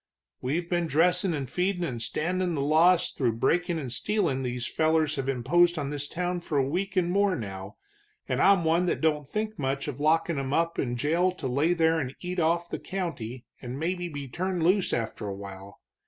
"We've been dressin' and feedin' and standin' the loss through breakin' and stealin' these fellers have imposed on this town for a week and more now, and I'm one that don't think much of lockin' them up in jail to lay there and eat off of the county and maybe be turned loose after a while.